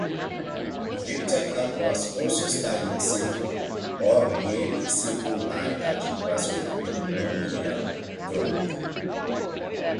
Victor Kac was also studying simple or nearly simple Lie algebras with polynomial growth.